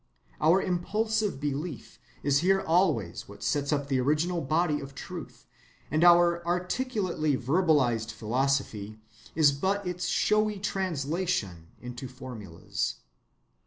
Our impulsive belief is here always what sets up the original body of truth, and our articulately verbalized philosophy is but its showy translation into formulas.